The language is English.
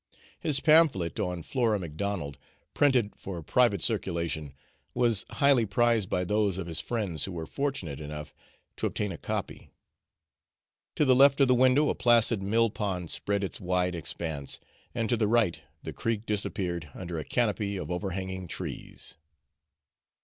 His pamphlet on Flora Macdonald, printed for private circulation, was highly prized by those of his friends who were fortunate enough to obtain a copy. To the left of the window a placid mill pond spread its wide expanse, and to the right the creek disappeared under a canopy of overhanging trees.